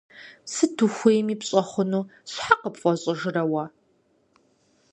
Сыт ухуейми пщӀэ хъуну щхьэ къыпфӀэщӀыжрэ уэ?